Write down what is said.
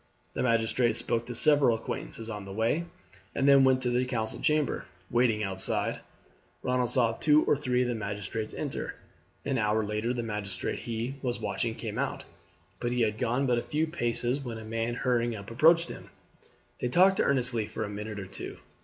The magistrate spoke to several acquaintances on the way, and then went to the council chamber. Waiting outside, Ronald saw two or three of the magistrates enter. An hour later the magistrate he was watching came out; but he had gone but a few paces when a man hurrying up approached him. They talked earnestly for a minute or two.